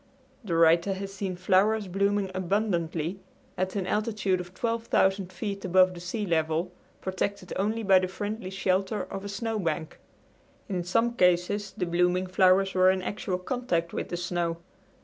The writer has seen flowers blooming abundantly at an altitude of 12,000 feet above the sea level, protected only by the friendly shelter of a snowbank. In some cases the blooming flowers were in actual contact with the snow.